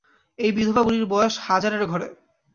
এই বিধবা বুড়ির বয়স হাজারের ঘরে।